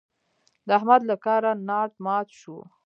د احمد له کاره ناټ مات شو.